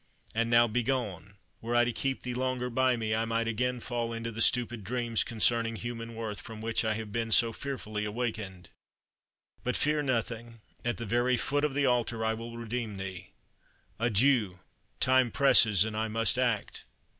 And now, begone; were I to keep thee longer by me, I might again fall into the stupid dreams concerning human worth from which I have been so fearfully awakened. But fear nothing at the very foot of the altar I will redeem thee. Adieu, time presses, and I must act!"